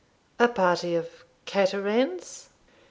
'A party of Caterans?'